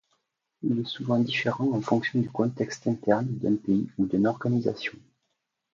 Il est souvent différent en fonction du contexte interne d'un pays ou d'une organisation.